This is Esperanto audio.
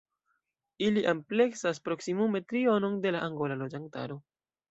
Ili ampleksas proksimume trionon de la angola loĝantaro.